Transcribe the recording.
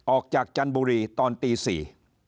ออกจากจันบูรีตอนตี๔